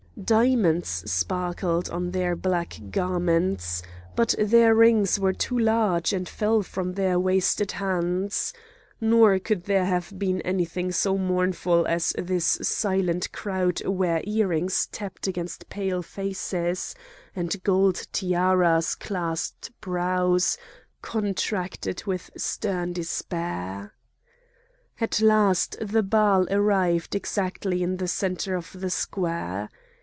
Diamonds sparkled on their black garments; but their rings were too large and fell from their wasted hands,—nor could there have been anything so mournful as this silent crowd where earrings tapped against pale faces, and gold tiaras clasped brows contracted with stern despair. At last the Baal arrived exactly in the centre of the square.